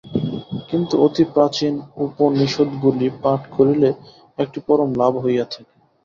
কিন্তু অতি প্রাচীন উপনিষদগুলি পাঠ করিলে একটি পরম লাভ হইয়া থাকে।